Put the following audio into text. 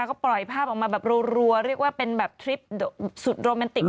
ก็ปล่อยภาพออกมาแบบรัวเรียกว่าเป็นแบบทริปสุดโรแมนติก